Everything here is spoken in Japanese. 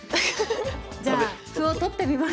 じゃあ歩を取ってみます。